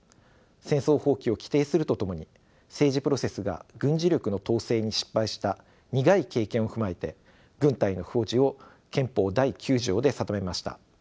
戦争放棄を規定するとともに政治プロセスが軍事力の統制に失敗した苦い経験を踏まえて軍隊の不保持を憲法第９条で定めました。